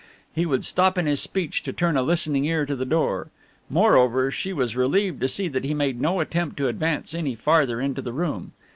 He would stop in his speech to turn a listening ear to the door. Moreover, she was relieved to see he made no attempt to advance any farther into the room.